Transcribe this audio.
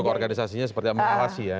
bentuk organisasinya seperti yang mengawasi ya